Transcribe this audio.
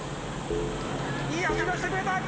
いい走りをしてくれた！